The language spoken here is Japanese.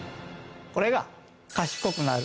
これが。